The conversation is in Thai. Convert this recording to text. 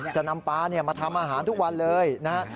จะนำปลามาทำอาหารทุกวันเลยนะฮะ